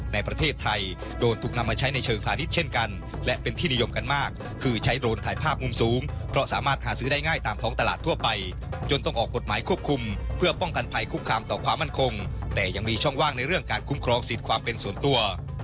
ในประเทศไทยโดนถูกนำมาใช้ในเชิงพาณิชย์เช่นกันและเป็นที่นิยมกันมากคือใช้โดรนถ่ายภาพมุมสูงเพราะสามารถหาซื้อได้ง่ายตามท้องตลาดทั่วไปจนต้องออกกฎหมายควบคุมเพื่อป้องกันภัยคุกคามต่อความมั่นคงแต่ยังมีช่องว่างในเรื่องการคุ้มครองสิทธิ์ความเป็นส่วนตัว